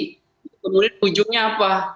kemudian ujungnya apa